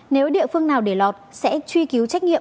nếu địa phương nào để lọt sẽ truy cứu trách nhiệm